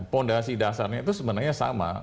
fondasi dasarnya itu sebenarnya sama